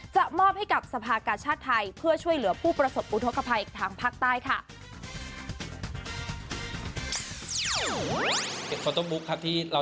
จะมอบให้กับสภากาชาติไทยเพื่อช่วยเหลือผู้ประสบอุทธกภัยทางภาคใต้ค่ะ